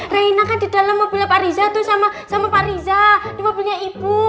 rena kan di dalam mobilnya pak rija tuh sama pak rija di mobilnya ibu